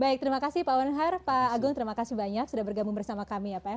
baik terima kasih pak wanhar pak agung terima kasih banyak sudah bergabung bersama kami ya pak ya